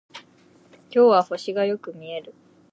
今日は星がよく見える